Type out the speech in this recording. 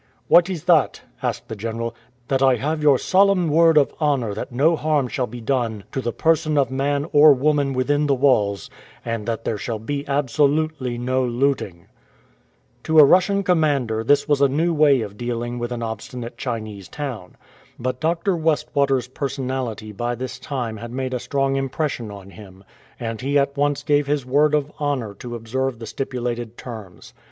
" What is that ?'' asked the general. " That I have your solemn word of honour that no harm shall be done to the person of man or woman within the walls, and that there shall be absolutely no looting.'' To a Russian commander this was a new way of dealing with an obstinate Chinese town. But Dr. Westwater's personality by this time had made a strong impression on him, and he at once gave his word of honour to observe the stipulated terms.